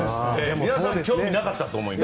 皆さん興味なかったと思います。